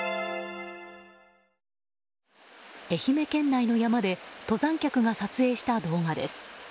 愛媛県内の山で登山客が撮影した動画です。